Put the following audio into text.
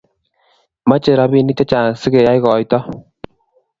Mechei robinik che chang' sikeyei koito